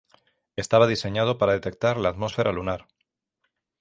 Estaba diseñado para detectar la atmósfera lunar.